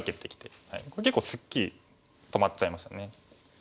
これ結構すっきり止まっちゃいましたね。